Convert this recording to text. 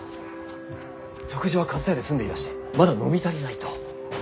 食事は上総屋で済んでいらしてまだ飲み足りないと。